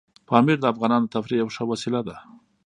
پامیر د افغانانو د تفریح یوه ښه وسیله ده.